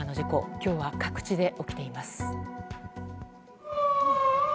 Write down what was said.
今日は各地で起きています。